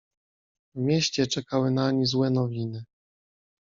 "W mieście czekały nań złe nowiny."